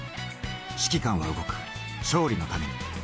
指揮官は動く、勝利のために。